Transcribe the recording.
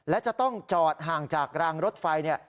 และจะต้องจอดห่างจากรางรถไฟ